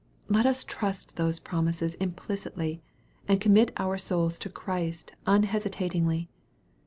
Let us trust those promises implicitly, and commit our souls to Christ unhesitatingly.